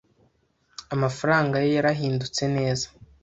Amafaranga ye yarahindutse neza.